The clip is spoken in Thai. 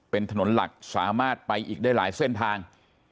เป็นถนนหลักสามารถไปอีกได้หลายเส้นทาง